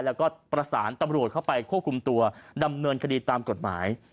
แล้วก็ประสานตำรวจเข้าไปควบคุมตัวดำเนินคดีตามกฎหมาย